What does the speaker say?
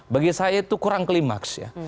bagi saya itu kurang klimaks ya